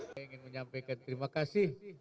saya ingin menyampaikan terima kasih